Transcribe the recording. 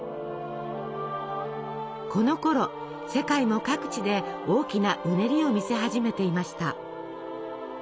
このころ世界も各地で大きなうねりを見せ始めていました。